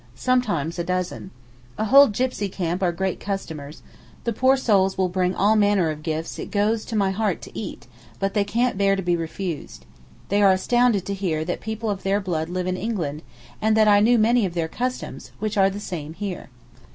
Sometimes a dozen. A whole gipsy camp are great customers—the poor souls will bring all manner of gifts it goes to my heart to eat, but they can't bear to be refused. They are astounded to hear that people of their blood live in England and that I knew many of their customs—which are the same here.